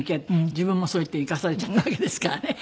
自分もそうやって行かされちゃったわけですからね。